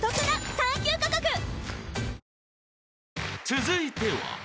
［続いては］